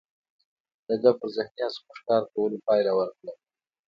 د ده پر ذهنیت زموږ کار کولو پایله ورکړه